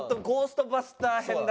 ゴーストバスター編。